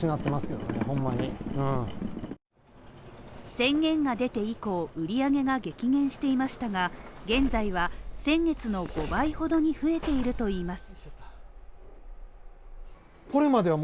宣言が出て以降、売り上げが激減していましたが、現在は先月の５倍ほどに増えているといいます。